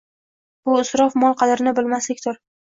Bu isrof, mol qadrini bilmaslikdur